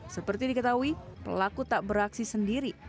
seperti diketahui pelaku tak beraksi sendiri